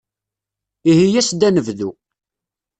Ihi as-d ad nebdu.